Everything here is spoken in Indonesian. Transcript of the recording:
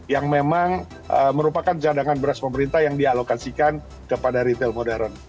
yang memang merupakan cadangan beras pemerintah yang dialokasikan kepada retail modern